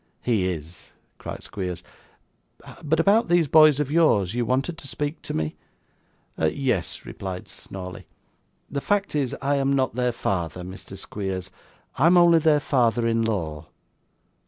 'He is,' cried Squeers. 'But about these boys of yours; you wanted to speak to me?' 'Yes,' replied Snawley. 'The fact is, I am not their father, Mr. Squeers. I'm only their father in law.